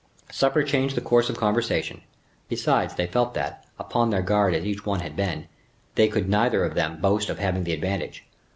Supper changed the course of conversation. Besides, they felt that, upon their guard as each one had been, they could neither of them boast of having the advantage.